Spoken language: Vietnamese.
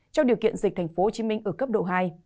trong điều kiện dịch tp hcm ở cấp độ hai